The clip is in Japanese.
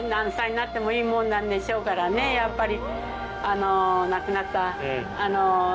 やっぱり。